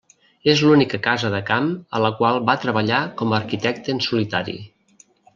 És l'única casa de camp a la qual va treballar com a arquitecte en solitari.